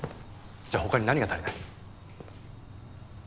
じゃあ他に何が足りない？